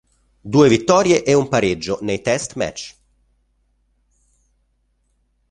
Due vittorie e un pareggio nei test match.